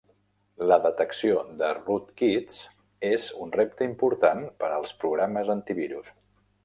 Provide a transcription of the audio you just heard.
La detecció de rootkits és un repte important per als programes antivirus.